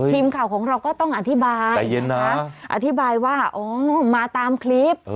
ทีมข่าวของเราก็ต้องอธิบายอธิบายว่ามาตามคลิป